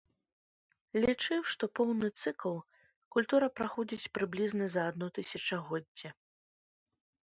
Лічыў, што поўны цыкл культура праходзіць прыблізна за адно тысячагоддзе.